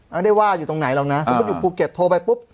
ไม่ได้ว่าอยู่ตรงไหนหรอกนะสมมุติอยู่ภูเก็ตโทรไปปุ๊บ